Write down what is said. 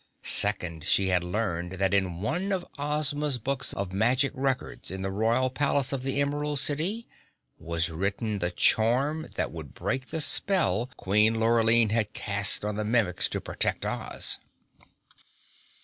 Second, she had learned that in one of Ozma's books of magic records in the Royal Palace of the Emerald City was written the charm that would break the spell Queen Lurline had cast on the Mimics to protect Oz!